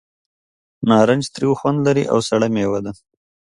نارنج تریو خوند لري او سړه مېوه ده.